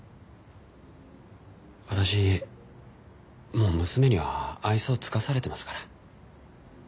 私もう娘には愛想尽かされてますから。